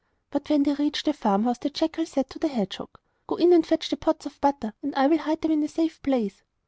But when they reached the farmhouse the jackal said to the hedgehog: 'Go in and fetch the pots of butter and I will hide them in a safe place.